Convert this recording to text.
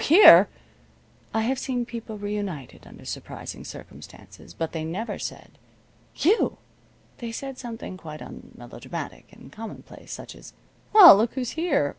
Here!" I have seen people reunited under surprising circumstances, but they never said, "You!" They said something quite unmelodramatic, and commonplace, such as: "Well, look who's here!"